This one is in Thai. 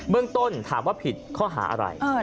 เมืองต้นถามว่าผิดข้อหาอะไร